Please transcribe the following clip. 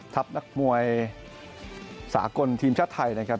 นักมวยสากลทีมชาติไทยนะครับ